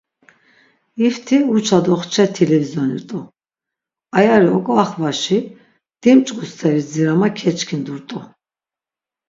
İfti uça do xçe t̆ilivizyoni rt̆u, ayari ok̆vaxvaşi dimç̆k̆u steri dzirama keçkindurt̆u.